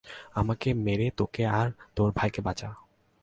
আমাকে মেরে তোকে আর তোর ভাইকে বাঁচা।